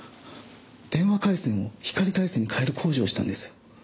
電話回線を光回線に変える工事をしたんです。